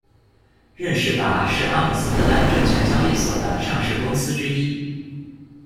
任仕达是阿姆斯特丹证券交易所的上市公司之一。